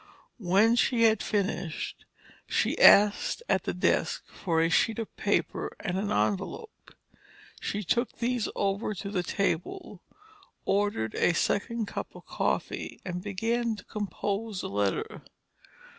When she had finished, she asked at the desk for a sheet of paper and an envelope. She took these over to her table, ordered a second cup of coffee, and began to compose a letter.